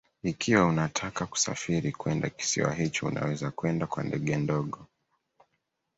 Ikiwa unataka kusafiri kwenda kisiwa hicho unaweza kwenda kwa ndege ndogo